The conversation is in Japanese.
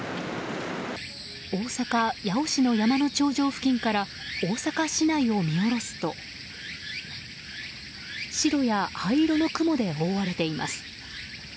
大阪・八尾市の山の頂上付近から大阪市内を見下ろすと白や灰色の雲で覆われています。